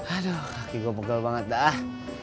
aduh kaki gua pegal banget dah